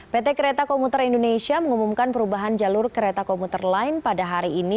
pt kereta komuter indonesia mengumumkan perubahan jalur kereta komuter lain pada hari ini